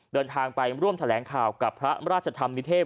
เดินทางไปร่วมแถลงข่าวกับพระราชธรรมนิเทพ